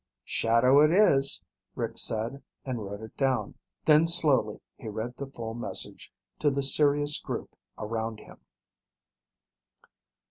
'" "Shadow it is," Rick said, and wrote it down. Then, slowly, he read the full message to the serious group around him.